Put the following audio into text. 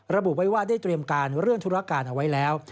ระบุไว้ว่าได้เตรียมการเรื่องธุรการเอาไว้แล้ว